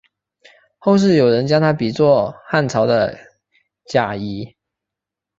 后世有人将他比作汉朝的贾谊。